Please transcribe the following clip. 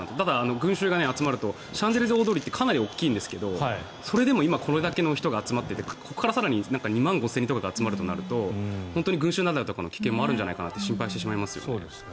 群衆が集まるとシャンゼリゼ通りってかなり大きいんですがそれでも今、これだけの人が集まっていてこれから２万５０００人とか集まるとなると群衆雪崩の危険もあるんじゃないかと心配ですね。